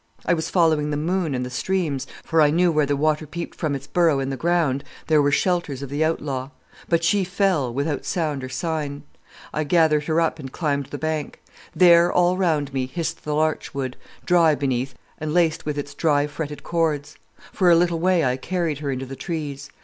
I was following the moon and the stream, for I knew where the water peeped from its burrow in the ground there were shelters of the outlaw. But she fell, without sound or sign. "I gathered her up and climbed the bank. There all round me hissed the larchwood, dry beneath, and laced with its dry fretted cords. For a little way I carried her into the trees.